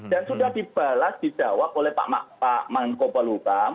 dan sudah dibalas didawak oleh pak mangkopol hukam pak mangkopol hukam